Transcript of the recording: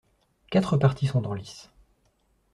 Quatre partis sont en lice.